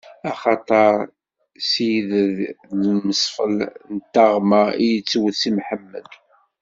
Axaṭer s ided n lmefṣel n taɣma i yettwet Si Mḥemmed.